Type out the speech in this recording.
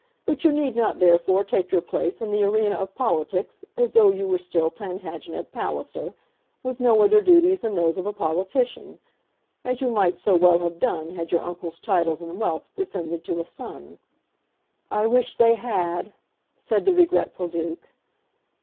But you need not therefore take your place in the arena of politics as though you were still Plantagenet Palliser, with no other duties than those of a politician, as you might so well have done had your uncle's titles and wealth descended to a son." "I wish they had," said the regretful Duke.